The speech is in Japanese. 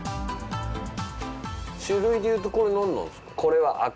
種類でいうとこれ何なんですか？